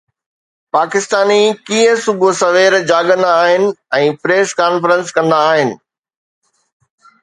پاڪستاني ڪيئن صبح سوير جاڳندا آهن ۽ پريس ڪانفرنس ڪندا آهن